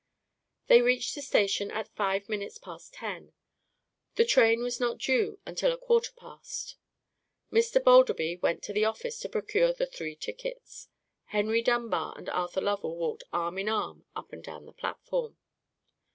They reached the station at five minutes past ten; the train was not due until a quarter past. Mr. Balderby went to the office to procure the three tickets. Henry Dunbar and Arthur Lovell walked arm in arm up and down the platform.